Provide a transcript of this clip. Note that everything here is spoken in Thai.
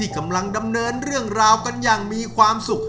กำลังดำเนินเรื่องราวกันอย่างมีความสุข